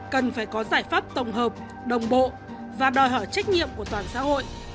cần phải có giải pháp tổng hợp đồng bộ và đòi hỏi trách nhiệm của toàn xã hội